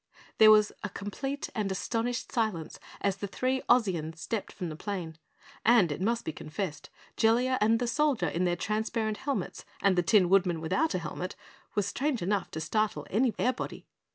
There was a complete and astonished silence as the three Ozians stepped from the plane. And it must be confessed, Jellia and the Soldier in their transparent helmets, and the Tin Woodman without a helmet, were strange enough to startle any airbody.